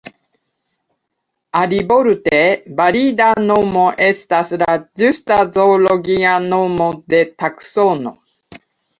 Alivorte: valida nomo estas la ĝusta zoologia nomo de taksono.